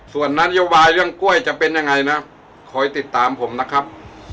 ส่วนนโยบายเรื่องกล้วยจะเป็นยังไงนะคอยติดตามผมนะครับ